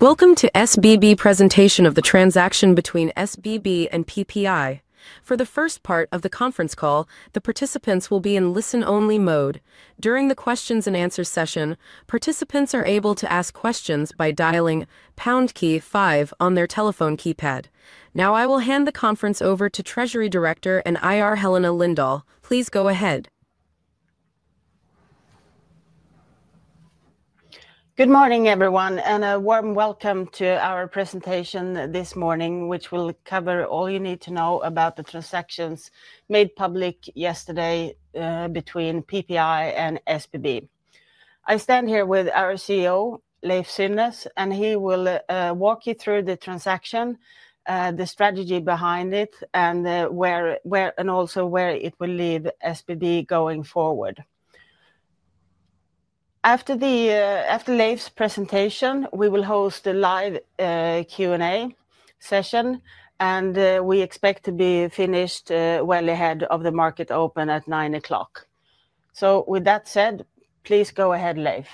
Welcome to SBB presentation of the transaction between SBB and PPI. For the first part of the conference call, the participants will be in listen only mode. During the question-and-answer session, participants are able to ask questions by dialing pound key five on their telephone keypad. Now I will hand the conference over to Treasury Director and IR Helena Lindahl, please go ahead. Good morning everyone and a warm welcome to our presentation this morning which will cover all you need to know about the transactions made public yesterday between PPI and SBB. I stand here with our CEO Leiv Synnes and he will walk you through the transaction, the strategy behind it and also where it will lead SBB going forward. After Leiv's presentation we will host a live Q&A session and we expect to be finished well ahead of the market open at 9:00 A.M. With that said, please go ahead. Leiv.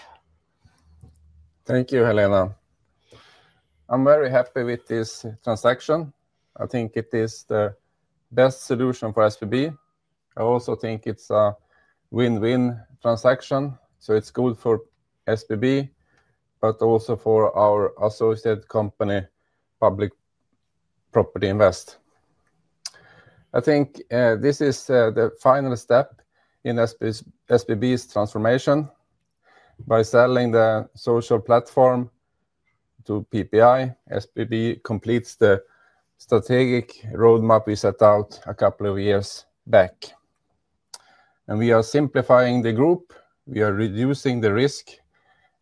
Thank you, Helena. I'm very happy with this transaction. I think it is the best solution for SBB. I also think it's a win-win transaction, so it's good for SBB but also for our associate company Public Property Invest. I think this is the final step in SBB's transformation. By selling the Social Platform to PPI, SBB completes the strategic roadmap we set out a couple of years back, and we are simplifying the group, we are reducing the risk,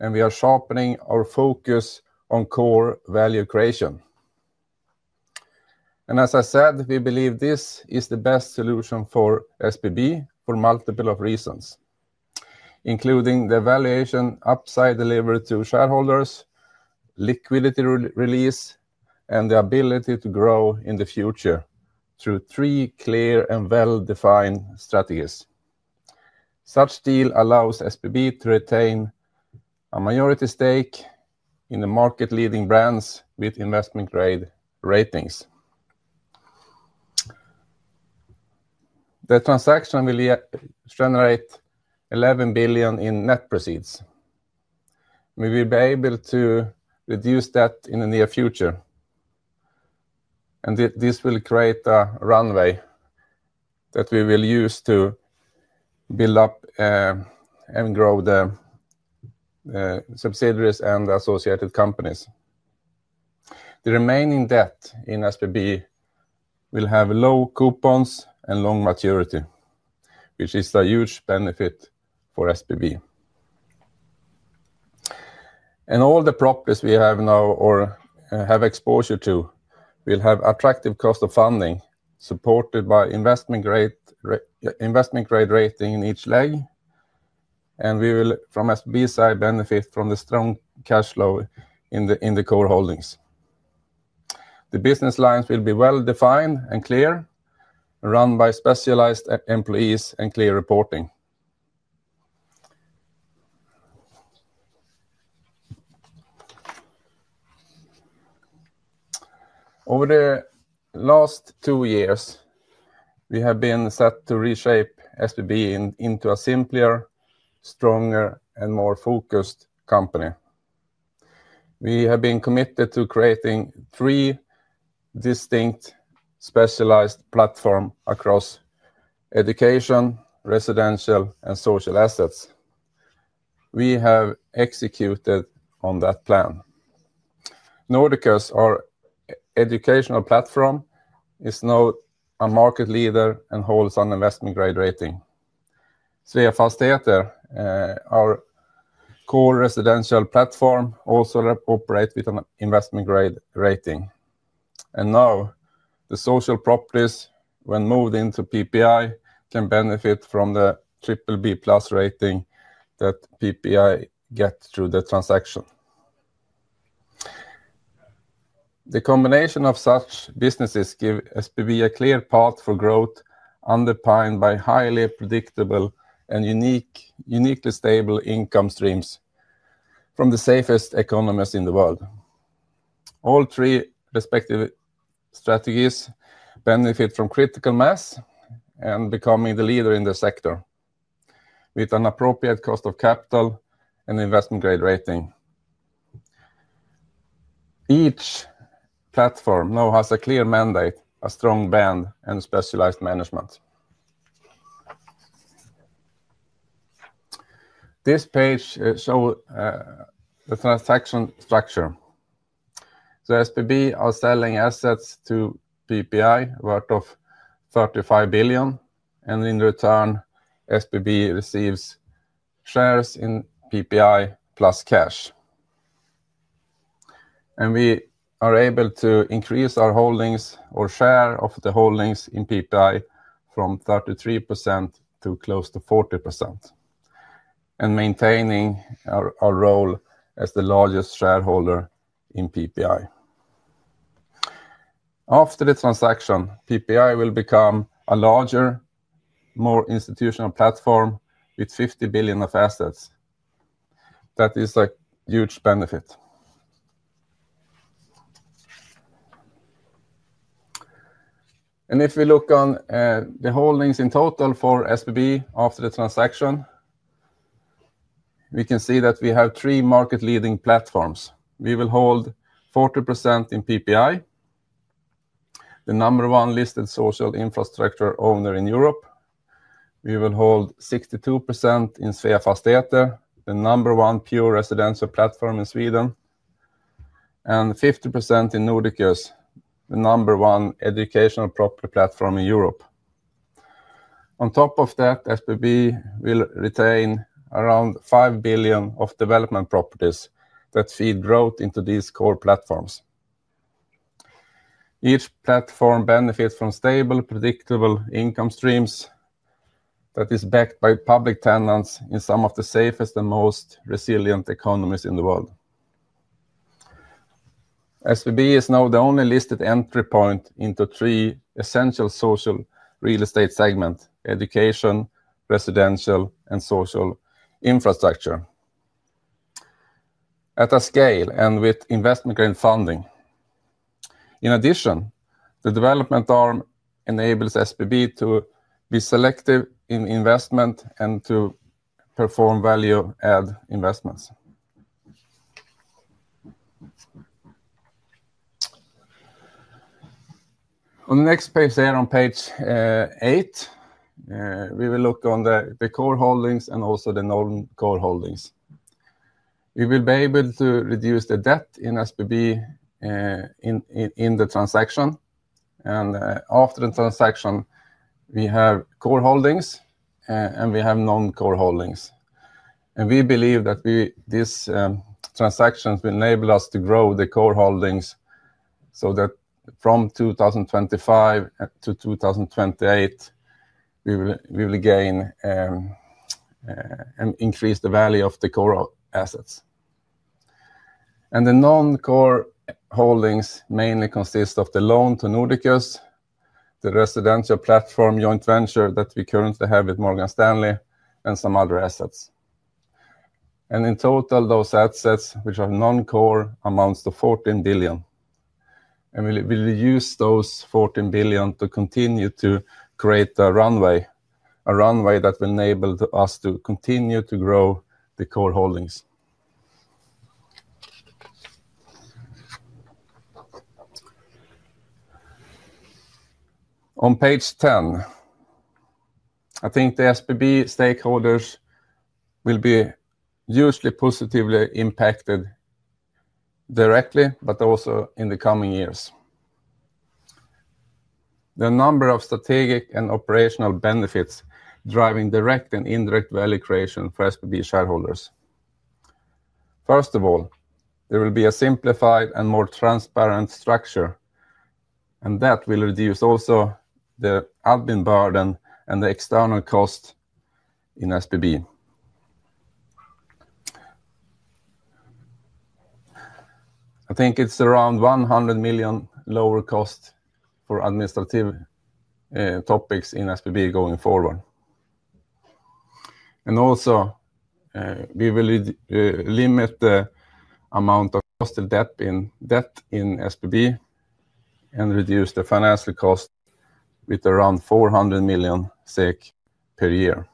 and we are sharpening our focus on core value creation. As I said, we believe this is the best solution for SBB for multiple reasons, including the valuation upside delivered to shareholders, liquidity release, and the ability to grow in the future through three clear and well-defined strategies. Such deal allows SBB to retain a minority stake in the market leading brands with investment grade ratings. The transaction will generate 11 billion in net proceeds. We will be able to reduce debt in the near future and this will create a runway that we will use to build up and grow the subsidiaries and associated companies. The remaining debt in SBB will have low coupons and long maturity which is a huge benefit for SBB and all the properties we have now or have exposure to will have attractive cost of funding supported by investment grade rating in each leg and we will from SBB side benefit from the strong cash flow in the core holdings. The business lines will be well defined and clear, run by specialized employees and clear reporting. Over the last two years we have been set to reshape SBB into a simpler, stronger and more focused company. We have been committed to creating three distinct specialized platforms across Education, Residential and Social assets. We have executed on that plan. Nordiqus, our Educational platform, is now a market leader and holds an investment grade rating. Sveafastigheter, our core Residential platform, also operates with an investment grade rating. Now the Social properties, when moved into PPI, can benefit from the BBB rating that PPI gets through the transaction. The combination of such businesses gives SBB a clear path for growth underpinned by highly predictable and uniquely stable income streams from the safest economies in the world. All three respective strategies benefit from critical mass and becoming the leader in the sector. With an appropriate cost of capital and investment grade rating, each platform now has a clear mandate, a strong brand, and specialized management. This page shows the transaction structure. SBB are selling assets to PPI worth of 35 billion and in return SBB receives shares in PPI plus cash. We are able to increase our holdings or share of the holdings in PPI from 33% to close to 40%, maintaining our role as the largest shareholder in PPI. After the transaction, PPI will become a larger, more institutional platform with 50 billion of assets. That is a huge benefit. If we look on the holdings in total for SBB after the transaction, we can see that we have three market leading platforms. We will hold 40% in PPI, the number one listed Social infrastructure owner in Europe. We will hold 62% in Sveafastigheter, the number one pure Residential platform in Sweden, and 50% in Nordiqus, the number one Educational property platform in Europe. On top of that, SBB will retain around 5 billion of development properties that feed growth into these core platforms. Each platform benefits from stable, predictable income streams that is backed by public tenants in some of the safest and most resilient economies in the world. SBB is now the only listed entry point into three essential social real estate segment, Education, Residential, and Social infrastructure at a scale and with investment grade funding. In addition, the development arm enables SBB to be selective in investment and to perform value add investments. On the next page there, on page eight, we will look on the core holdings and also the non-core holdings. We will be able to reduce the debt in SBB in the transaction, and after the transaction we have core holdings and we have non-core holdings. We believe that these transactions will enable us to grow the core holdings so that from 2025 to 2028 we will gain and increase the value of the core assets. The non-core holdings mainly consist of the loan to Nordiqus, the Residential platform joint venture that we currently have with Morgan Stanley, and some other assets. In total, those assets which are non-core amount to 14 billion, and we will use those 14 billion to continue to create a runway that will enable us to continue to grow the core holdings on page 10. I think the SBB stakeholders will be hugely positively impacted directly but also in the coming years the number of strategic and operational benefits driving direct and indirect value creation for SBB shareholders. First of all there will be a simplified and more transparent structure and that will reduce also the admin burden and the external cost in SBB. I think it's around 100 million lower cost for administrative topics in SBB going forward. Also we will limit the amount of cost of debt in SBB and reduce the financial cost with around 400 million SEK per year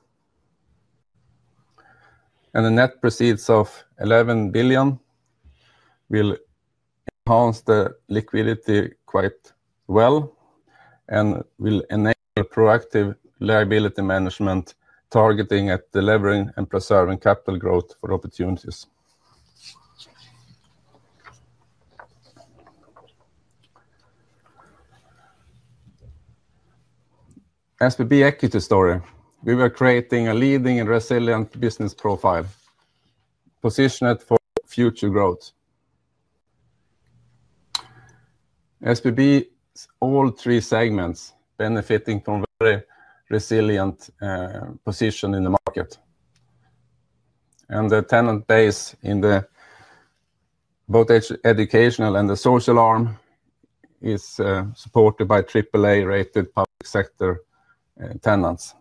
and the net proceeds of 11 billion will enhance the liquidity quite well and will enable proactive liability management targeting at delivering and preserving capital growth for opportunities. SBB equity story we were creating a leading and resilient business profile positioned for future growth. SBB, all three segments benefiting from a very resilient position in the market and the tenant base in both Educational and the Social arm is supported by AAA rated public sector tenants.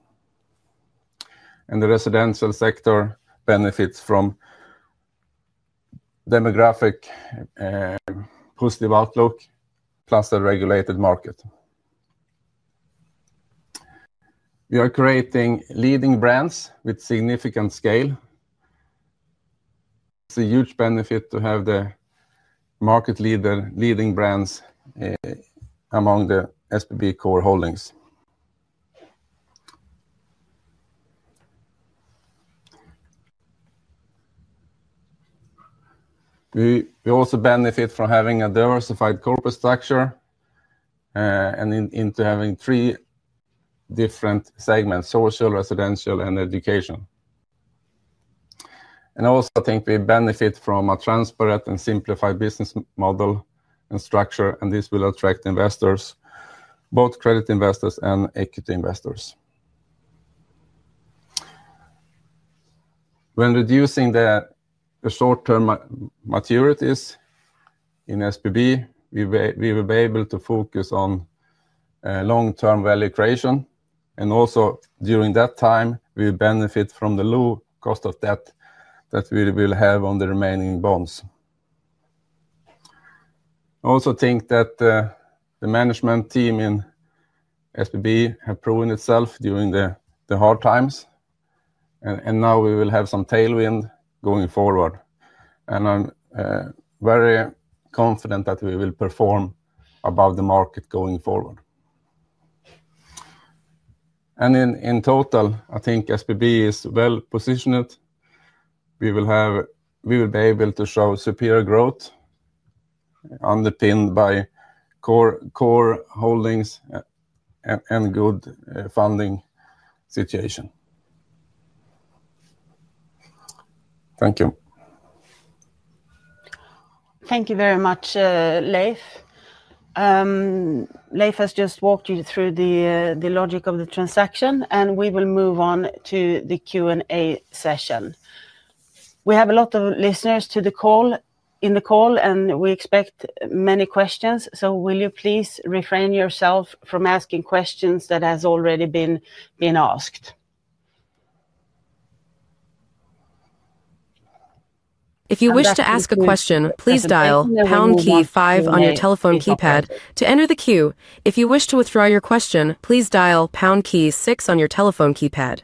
In the Residential sector, benefits from demographic positive outlook plus a regulated market. We are creating leading brands with significant scale. It's a huge benefit to have the market leader, leading brands among the SBB core holdings. We also benefit from having a diversified corporate structure and from having three different segments, Social, Residential, and Education. I think we benefit from a transparent and simplified business model and structure, and this will attract investors, both credit investors and equity investors. When reducing the short term maturities in SBB we will be able to focus on long term value creation and also during that time we benefit from the low cost of debt that we will have on the remaining bonds. I also think that the management team in SBB have proven itself during the hard times and now we will have some tailwind going forward and I'm very confident that we will perform above the market going forward. In total I think SBB is well positioned. We will be able to show superior growth underpinned by core holdings and good funding situation. Thank you. Thank you very much. Leiv. Leiv has just walked you through the logic of the transaction and we will move on to the Q&A session. We have a lot of listeners in the call and we expect many questions. Please refrain from asking questions that have already been asked. If you wish to ask a question, please dial pound key five on your telephone keypad to enter the queue. If you wish to withdraw your question, please dial pound key six on your telephone keypad.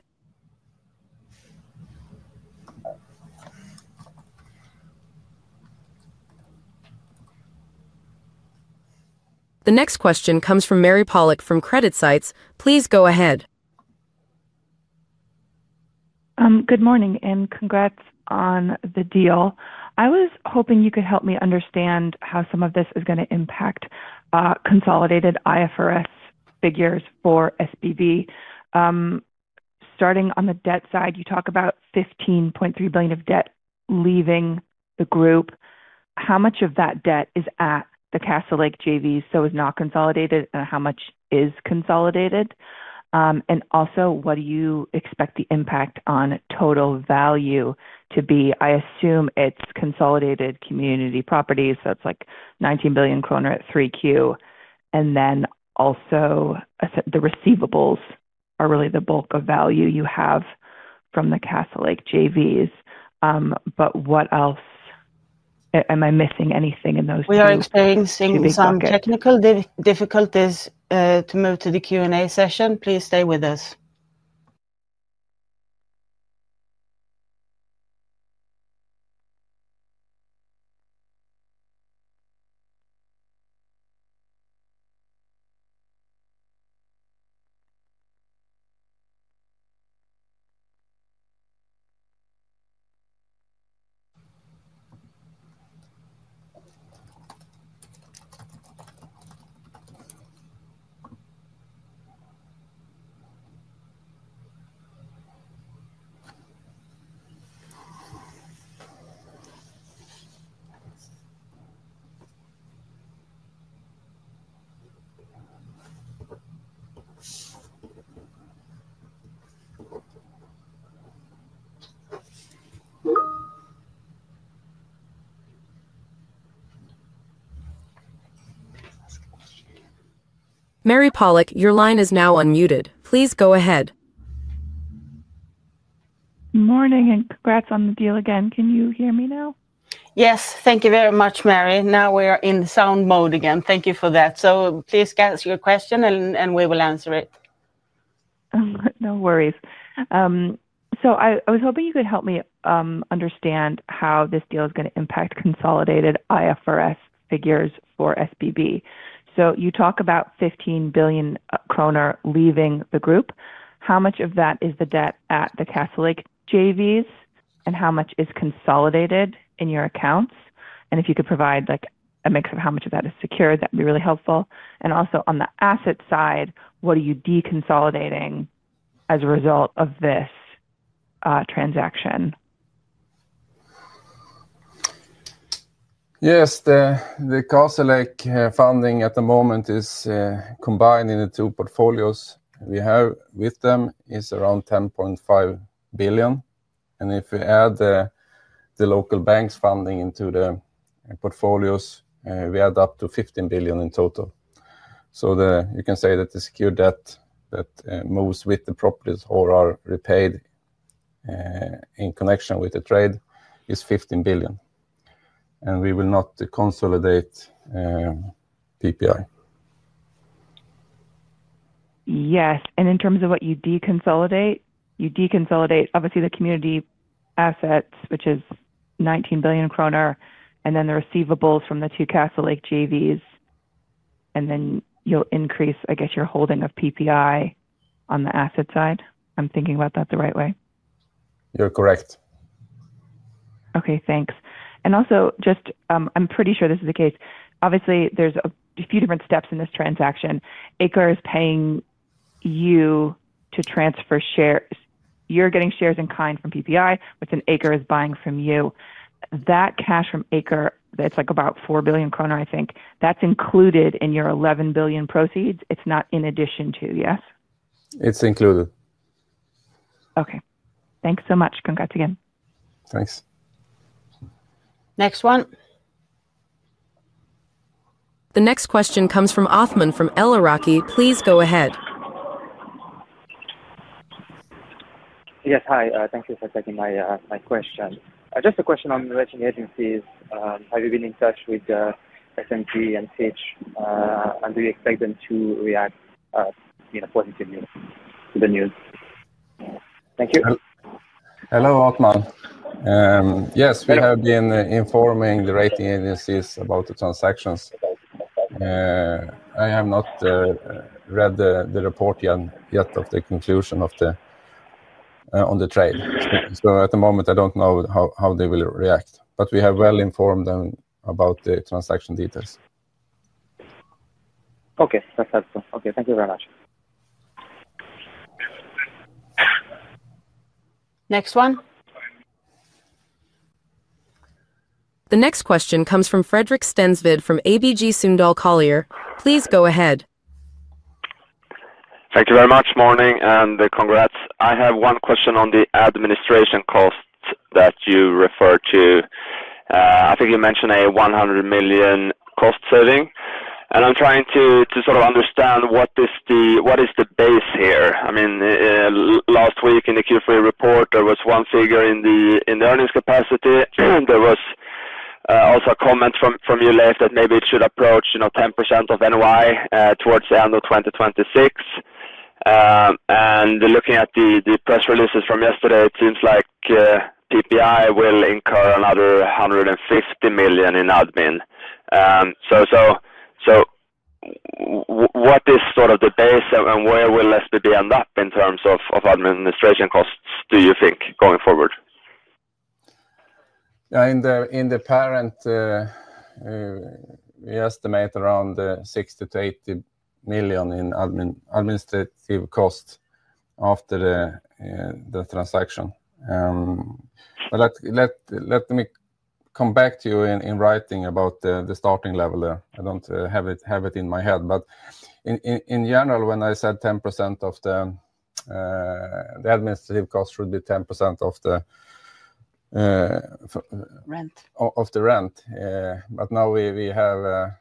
The next question comes from Mary Pollock from CreditSights. Please go ahead. Good morning and congrats on the deal. I was hoping you could help me understand how some of this is going to impact consolidated IFRS figures for SBB. Starting on the debt side, you talk about 15.3 billion of debt leaving the group. How much of that debt is at the Castlelake JV, so is not consolidated, and how much is consolidated? Also, what do you expect the impact on total value to be? I assume it is consolidated community properties. That is like 19 billion kronor at 3Q. Also, the receivables are really the bulk of value you have from the Castlelake JVs, but what else am I missing? Anything in those? We are experiencing some technical difficulties to move to the Q&A session. Please stay with us. Mary Pollock, your line is now unmuted. Please go ahead. Morning and congrats on the deal again. Can you hear me now? Yes, thank you very much, Mary. Now we are in sound mode again. Thank you for that. Please ask your question and we will answer it. No worries. I was hoping you could help me understand how this deal is going to impact consolidated IFRS figures for SBB. You talk about 15 billion kronor leaving the group. How much of that is the debt at the Castlelake JVs and how much is consolidated in your accounts? If you could provide a mix of how much of that is secured, that would be really helpful. Also, on the asset side, what are you deconsolidating as a result of this transaction? Yes, the Castlelake funding at the moment is combined in the two portfolios we have with them is around 10.5 billion. If we add the local banks funding into the portfolios, we add up to 15 billion in total. You can say that the secure debt that moves with the properties or are repaid in connection with the trade is 15 billion and we will not consolidate PPI. Yes, and in terms of what you deconsolidate. You deconsolidate obviously the community assets, which is 19 billion kronor, and then the receivables from the two Castlelake JVs. And then you'll increase, I guess, your holding of PPI on the asset side. I'm thinking about that the right way. You're correct. Okay, thanks. Also just I'm pretty sure this is the case. Obviously there's a few different steps in this transaction. Aker is paying you to transfer shares. You're getting shares in kind from PPI within Aker is buying from you. That cash from Aker, it's like about 4 billion kronor. I think that's included in your 11 billion proceeds. It's not in addition to. Yes, it's included. Okay, thanks so much. Congrats again. Thanks. Next one. The next question comes from Othman from Al Rajhi. Please go ahead. Yes, hi. Thank you for taking my question. Just a question on election agencies. Have you been in touch with SMP and Teach and do you expect them? To react. To the news. Thank you. Hello, Othman. Yes, we have been informing the rating agencies about the transactions. I have not read the report yet of the conclusion on the trade. At the moment I don't know how they will react. We have well informed them about the transaction details. Okay, that's helpful. Okay, thank you very much. Next one. The next question comes from Fredrik Stensved from ABG Sundal Collier. Please go ahead. Thank you very much. Morning and congrats. I have one question on the administration costs that you refer to. I think you mentioned a 100 million cost saving and I'm trying to sort of understand what is the base here. I mean last week in the Q3 report there was one figure in the, in the earnings capacity and there was also a comment from, from you Leiv that maybe it should approach, you know, 10% of NOI towards the end of 2026. And looking at the press releases from yesterday, it seems like PPI will incur another 150 million in admin. So, so what is sort of the base and where will SBB end up in terms of administration costs, do you think? Going forward. In the parent, we estimate around 60 million-80 million in administrative cost after the transaction. Let me come back to you in writing about the starting level there. I do not have it in my head. In general, when I said 10%, the administrative cost should be 10% of the rent. Now we have a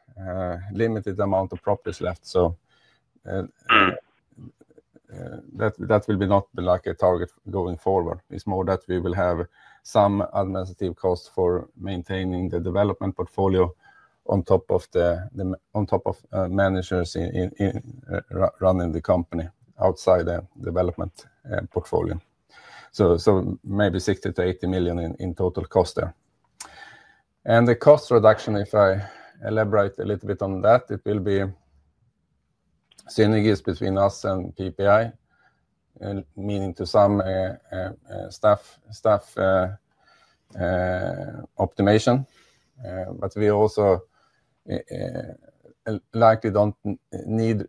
limited amount of properties left. That will not be like a target going forward. It is more that we will have some administrative cost for maintaining the development portfolio on top of managers running the company outside the development portfolio. Maybe 60 million-80 million in total cost there. The cost reduction, if I elaborate a little bit on that, will be synergies between us and PPI, meaning some staff optimization. We also likely do not need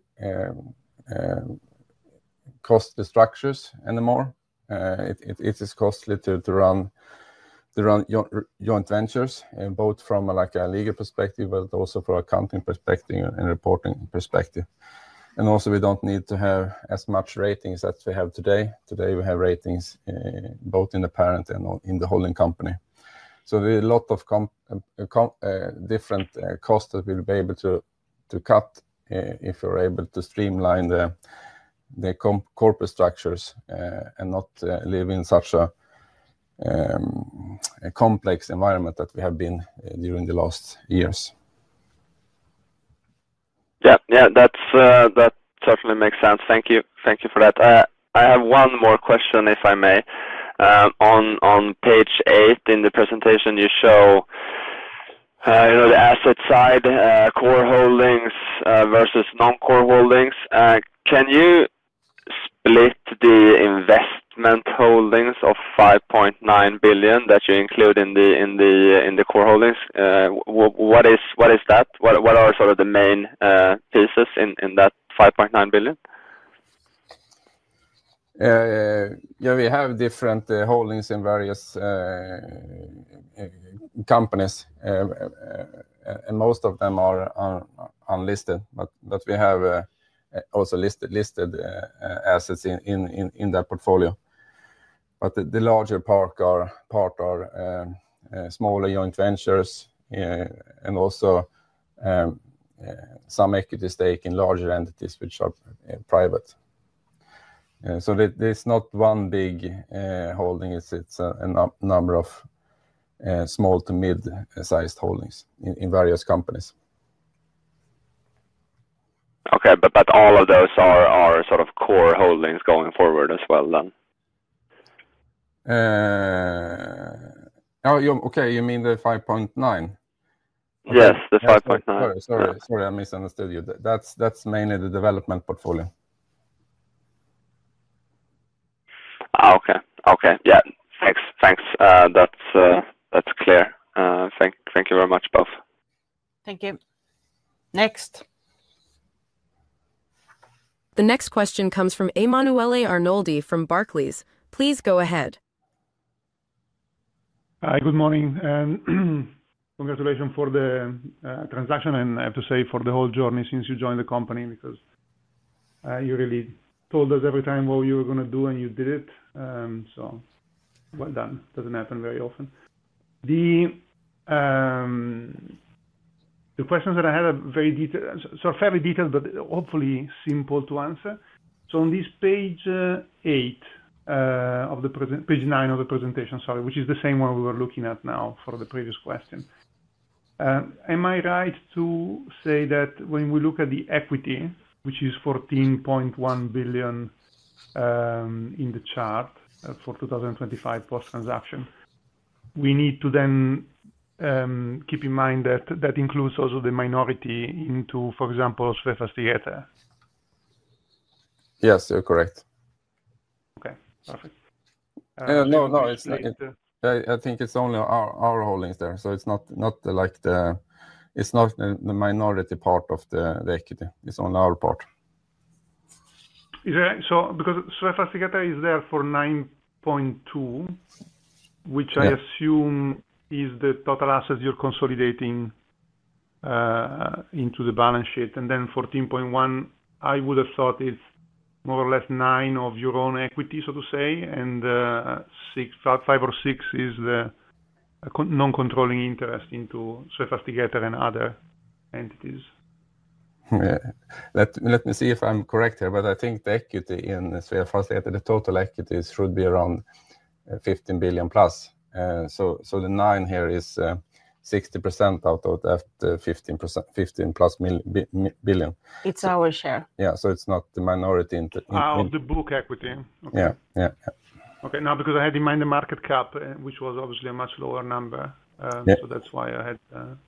costly structures anymore. It is costly to run joint ventures both from a legal perspective, but also from an accounting perspective and reporting perspective. Also, we do not need to have as many ratings as we have today. Today we have ratings both in the parent and in the holding company. There are a lot of different costs that we will be able to cut if we are able to streamline the corporate structures and not live in such a complex environment that we have been during the last years. Yeah, that certainly makes sense. Thank you. Thank you for that. I have one more question, if I may. On page eight in the presentation you show the asset side core holdings versus non-core holdings. Can you split the investment holdings of 5.9 billion that you include in the core holdings? What is, what is that? What are sort of the main pieces in that 5.9 billion? Yeah, we have different holdings in various companies and most of them are unlisted. We have also listed assets in that portfolio. The larger part are smaller joint ventures and also some equity stake in larger entities which are private. There is not one big holding. It is a number of small to mid sized holdings in various companies. Okay, but all of those are sort of core holdings going forward as well then. Oh, okay. You mean the 5.9 billion. Yes, the 5.9 billion. Sorry, sorry, I misunderstood you. That's mainly the development portfolio. Okay. Yeah, thanks. That's clear. Thank you very much both. Thank you. Next. The next question comes from Emanuele Arnoldi from Barclays. Please go ahead. Hi, good morning and congratulations for the transaction and I have to say for the whole journey since you joined the company because you really told us every time what you were going to do and you did it. So well done. Doesn't happen very often. The. The questions that I had are very detailed, so fairly detailed, but hopefully simple to answer. On this page eight of the present. Page nine of the presentation, sorry, which is the same one we were looking at now for the previous question. Am I right to say that when we look at the equity which is 14.1 billion in the chart for 2025 post transaction, we need to then keep in mind that that includes also the minority into, for example, Sveafastigheter. Yes, you're correct. Okay, perfect. No, I think it's only our holdings there. It's not the minority part of the equity. It's on our part. Is that so? Because Sveafastigheter is there for nine, which I assume is the total assets you're consolidating into the balance sheet and then 14.1, I would have thought it's more or less nine of your own equity, so to say. And five or six is the non-controlling interest into Sveafastigheter and other entities. Let me see if I'm correct here, but I think the equity in Sveafastigheter, the total equities should be around 15 billion plus. The nine here is 60% out of that 15, 15 plus billion. It's our share. Yeah. It's not the minority of the book equity. Yeah. Okay. Now because I had in mind the market cap which was obviously a much lower number. That is why I had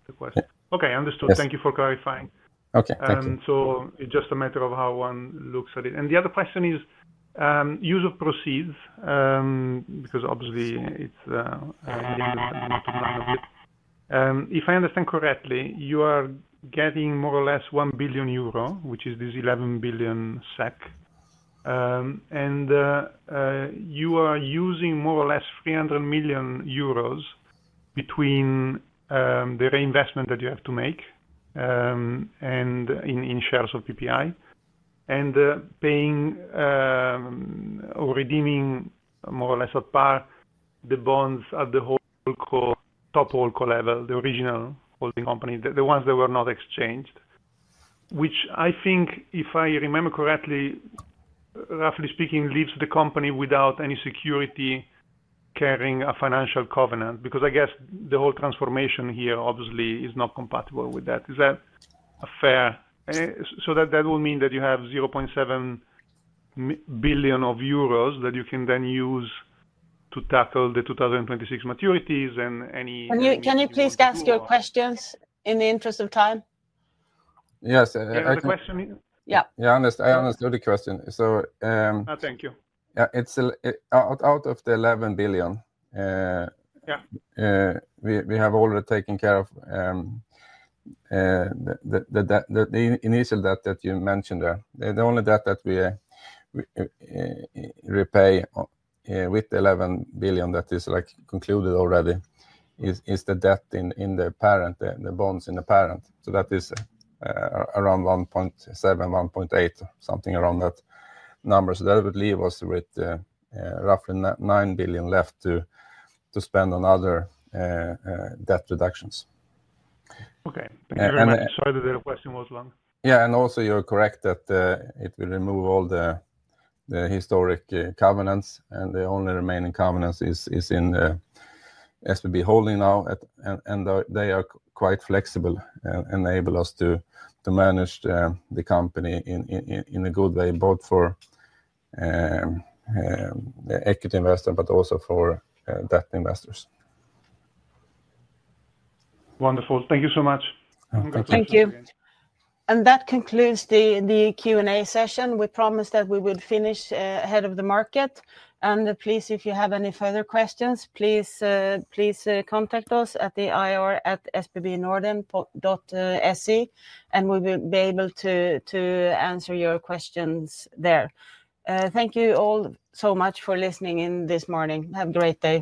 the question. Okay, understood, thank you for clarifying. Okay. It is just a matter of how one looks at it. The other question is use of proceeds because obviously, if I understand correctly, you are getting more or less 1 billion euro, which is this 11 billion SEK. You are using more or less 300 million euros between the reinvestment that you have to make in shares of PPI and paying or redeeming more or less at par the bonds at the top holdco level, the original holding company, the ones that were not exchanged, which I think, if I remember correctly, roughly speaking leaves the company without any security carrying a financial covenant. I guess the whole transformation here obviously is not compatible with that. Is that fair? That will mean that you have 0.7 billion euros that you can then use to tackle the 2026 maturities and any. Can you please ask your questions in the interest of time? Yes, question. Yeah, I understood the question, so thank you. It's out of the 11 billion. Yeah, we have already taken care of the initial debt that you mentioned there. The only debt that we repay with the 11 billion that is like concluded already is the debt in the parent, the bonds in the parent. That is around 1.7-1.8 billion, something around that number. That would leave us with roughly 9 billion left to spend on other debt reductions. Okay, sorry, that the question was one. Yeah. You are correct that it will remove all the historic covenants and the only remaining covenants is in SB holding now. They are quite flexible and enable us to manage the company in a good way, both for equity investor but also for debt investors. Wonderful. Thank you so much. Thank you. That concludes the Q&A session. We promised that we would finish ahead of the market. If you have any further questions, please contact us at the ir@sbbnorden.se and we will be able to answer your questions there. Thank you all so much for listening in this morning. Have a great day.